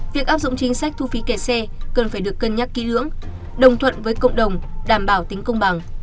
việc áp dụng chính sách thu phí kẻ xe cần phải được cân nhắc kỹ lưỡng đồng thuận với cộng đồng đảm bảo tính công bằng